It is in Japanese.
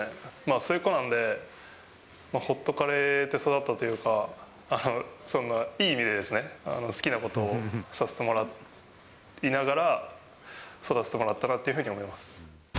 末っ子なんで、ほっとかれて育ったというか、いい意味でですね、好きなことをさせてもらいながら、育ててもらったなっていうふうに思います。